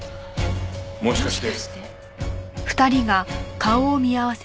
もしかして。